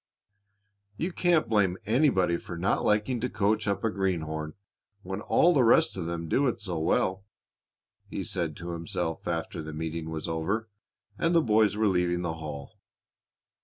"You can't blame anybody for not liking to coach up a greenhorn when all the rest of them do it so well," he said to himself after the meeting was over and the boys were leaving the hall.